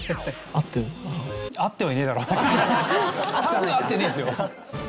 多分合ってねえですよ。